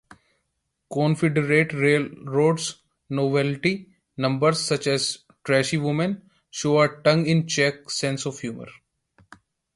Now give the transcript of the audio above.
Confederate Railroad's novelty numbers, such as "Trashy Women", show a tongue-in-cheek sense of humor.